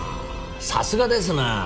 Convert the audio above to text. さすがですな